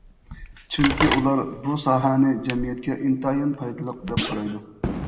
چۈنكى، ئۇلار بۇ ساھەنى جەمئىيەتكە ئىنتايىن پايدىلىق، دەپ قارايدۇ.